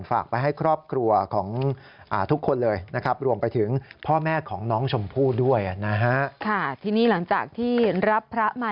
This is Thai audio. ฝากไปให้ครอบครัวของทุกคนเลยนะครับ